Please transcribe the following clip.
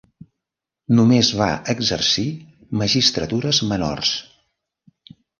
Només va exercir magistratures menors.